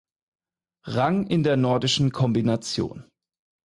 Rang in der Nordischen Kombination.